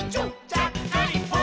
ちゃっかりポン！」